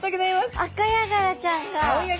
アカヤガラちゃんが。